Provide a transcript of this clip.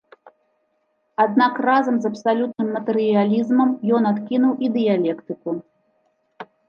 Аднак разам з абсалютным матэрыялізмам ён адкінуў і дыялектыку.